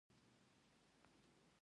هغوی په دې فرصتونو باندې هېڅ پوهېدل نه